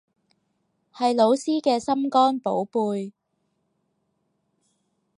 係老師嘅心肝寶貝